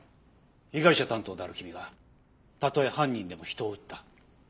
被害者担当である君がたとえ犯人でも人を撃った。